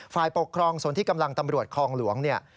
ฝ่ายปกครองส่วนที่กำลังตำรวจคลองหลวงเนี่ย